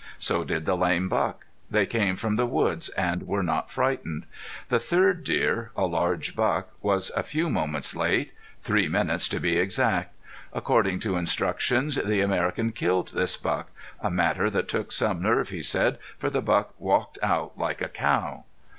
So did the lame buck. They came from the woods and were not frightened. The third deer, a large buck, was a few moments late three minutes to be exact. According to instructions the American killed this buck a matter that took some nerve he said, for the buck walked out like a cow.